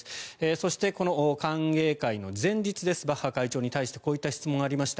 そして、歓迎会の前日バッハ会長に対してこういった質問がありました。